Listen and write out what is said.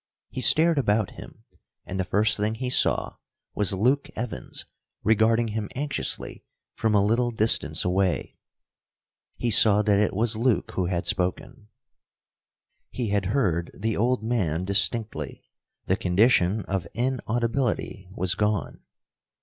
He stared about him, and the first thing he saw was Luke Evans, regarding him anxiously from a little distance away. He saw that it was Luke who had spoken. He had heard the old man distinctly. The condition of inaudibility was gone.